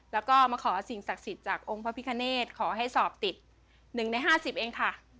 แล้วก็มาขอสิ่งศักดิ์สิทธิ์จากองค์พระพิคเนธขอให้สอบติด๑ใน๕๐เองค่ะ